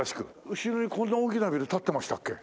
後ろにこんな大きなビル立ってましたっけ？